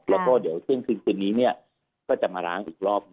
แล้วก็เดี๋ยวเช่นคืนคืนนี้ก็จะมาล้างอีกรอบ